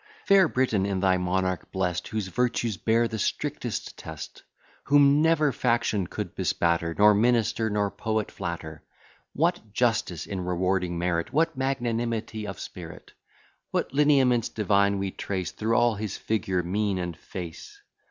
Fair Britain, in thy monarch blest, Whose virtues bear the strictest test; Whom never faction could bespatter, Nor minister nor poet flatter; What justice in rewarding merit! What magnanimity of spirit! What lineaments divine we trace Through all his figure, mien, and face!